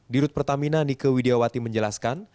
dirut pertamina nike widiawati menjelaskan